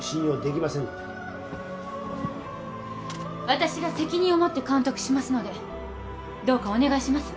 私が責任を持って監督しますのでどうかお願いします